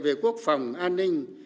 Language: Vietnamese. về quốc phòng an ninh